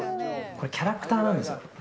これキャラクターなんですよ。